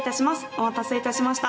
お待たせしました。